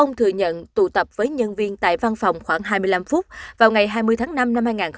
ông thừa nhận tụ tập với nhân viên tại văn phòng khoảng hai mươi năm phút vào ngày hai mươi tháng năm năm hai nghìn hai mươi ba